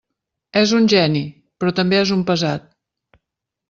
És un geni, però també és un pesat.